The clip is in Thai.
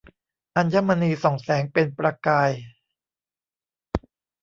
อัญมณีส่องแสงเป็นประกาย